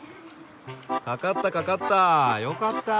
かかったかかった。